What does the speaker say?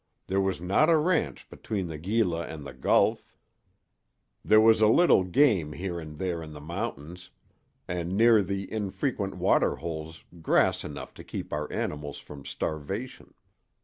There was not a ranch between the Gila and the Gulf. There was a little game here and there in the mountains, and near the infrequent water holes grass enough to keep our animals from starvation.